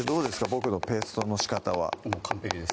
僕のペーストのしかたは完璧です